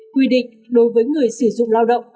quy định đối với người sử dụng lao động